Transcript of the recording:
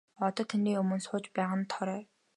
Одоо таны өмнө сууж байгаа нь Тоорой.